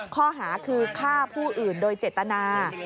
ข้อหาคือฆ่าผู้อื่นโดยเจตนา